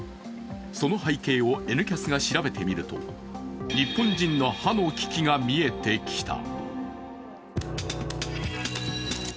その背景を「Ｎキャス」が調べてみると、日本人の歯の危機が見えてきた。